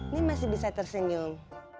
nih masih bisa tersenyum